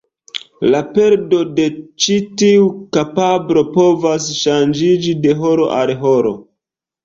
La perdo de ĉi tiu kapablo povas ŝanĝiĝi de horo al horo.